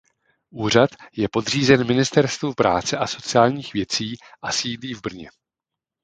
Úřad je podřízen Ministerstvu práce a sociálních věcí a sídlí v Brně.